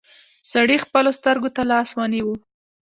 سړي خپلو سترګو ته لاس ونيو.